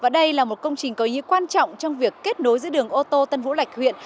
đây là một công trình có ý nghĩa quan trọng trong việc kết nối giữa đường ô tô tân vũ lạch huyện